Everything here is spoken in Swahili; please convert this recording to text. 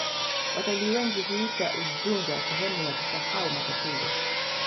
watalii wengi huiita udzungwa sehemu ya kusahau matatizo